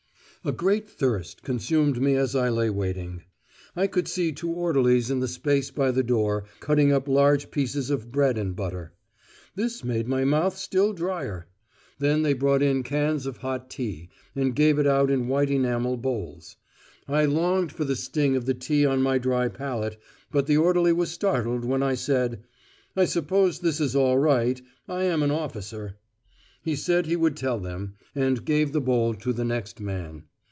A great thirst consumed me as I lay waiting. I could see two orderlies in the space by the door cutting up large pieces of bread and butter. This made my mouth still drier. Then they brought in cans of hot tea, and gave it out in white enamel bowls. I longed for the sting of the tea on my dry palate, but the orderly was startled when I said, "I suppose this is all right; I am an officer." He said he would tell them, and gave the bowl to the next man.